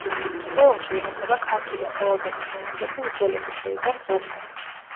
მუზეუმში ინახება ქართული ხელოვნების ნიმუშები უძველესი დროიდან დღემდე.